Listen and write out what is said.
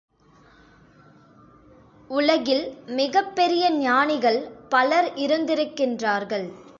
உலகில் மிகப் பெரிய ஞானிகள் பலர் இருந்திருக்கின்றார்கள்.